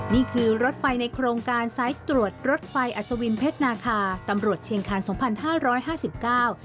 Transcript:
นี่คือรถไฟในโครงการสายตรวจรถไฟอัศวินเพชรนาคาตำรวจเชียงคารสองพันห้าร้อยห้าสิบเก้า